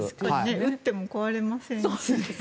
打っても壊れませんし。